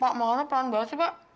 pak makannya peran banget sih pak